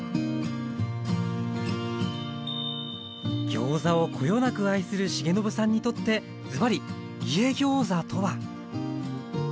ギョーザをこよなく愛する重信さんにとってずばり「家ギョーザ」とは？